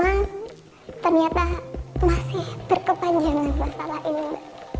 karena ternyata masih berkepanjangan masalah ini